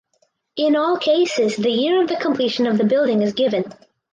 In all cases the year of the completion of the building is given.